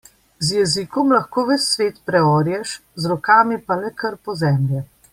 Z jezikom lahko ves svet preorješ, z rokami pa le krpo zemlje.